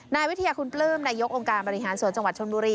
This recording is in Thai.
นายวิทยาคุณปลื้มนายกองค์การบริหารส่วนจังหวัดชนบุรี